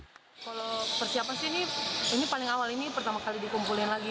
kalau persiapan sih ini paling awal ini pertama kali dikumpulin lagi